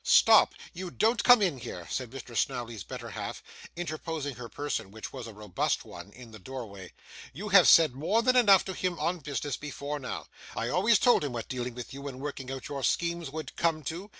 'Stop! You don't come in here,' said Mr. Snawley's better half, interposing her person, which was a robust one, in the doorway. 'You have said more than enough to him on business, before now. I always told him what dealing with you and working out your schemes would come to.